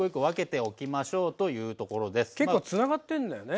結構つながってんだよね。